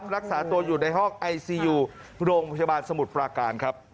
นักศึกษาครับ